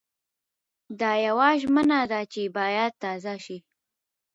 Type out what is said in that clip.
دا يوه ژمنه ده چې بايد تازه شي.